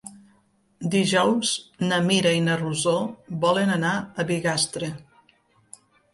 Dijous na Mira i na Rosó volen anar a Bigastre.